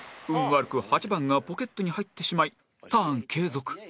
悪く８番がポケットに入ってしまいターン継続